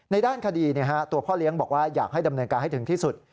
ด้านคดีตัวพ่อเลี้ยงบอกว่าอยากให้ดำเนินการให้ถึงที่สุด